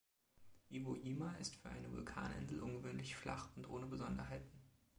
Iwo Jima ist für eine Vulkaninsel ungewöhnlich flach und ohne Besonderheiten.